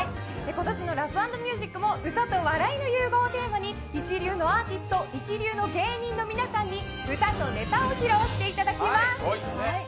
今年のラフ＆ミュージックも歌と笑いの祭典をテーマに一流のアーティスト一流の芸人と歌手の皆さんに歌とネタを披露していただきます。